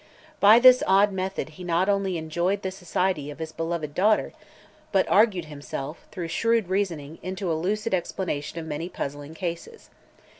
By this odd method he not only enjoyed the society of his beloved daughter but argued himself, through shrewd reasoning, into a lucid explanation of many puzzling cases.